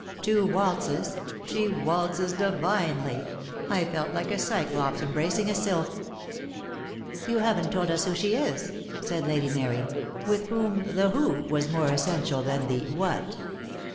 "Two waltzes. She waltzes divinely. I felt like a Cyclops embracing a sylph." "You haven't told us who she is," said Lady Mary, with whom the who was more essential than the what.